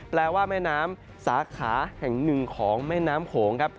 ว่าแม่น้ำสาขาแห่งหนึ่งของแม่น้ำโขงครับ